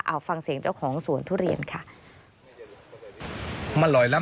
เอาฟังเสียงเจ้าของสวนทุเรียนค่ะ